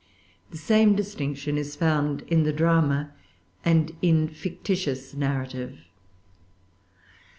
The same distinction is found in the drama and in fictitious narrative.